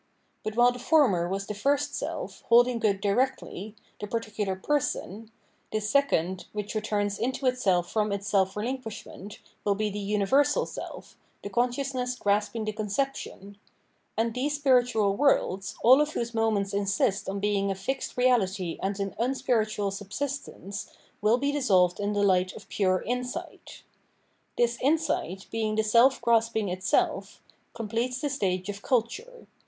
But while the former was the first self, holding good directly, the particular person, this second, which returns into itself from its self relinquishment, will be the universal self, the conscious ness grasping the conception ; and these spiritual worlds, all of whose moments insist on being a fix:ed reahty and an unspiritual subsistence, will be dissolved in the hght of, pure Insight. This insight, being the self grasping itself, completes the stage of culture.